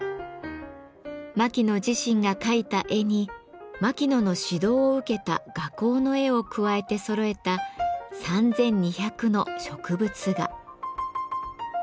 牧野自身が描いた絵に牧野の指導を受けた画工の絵を加えてそろえた３，２００の植物画。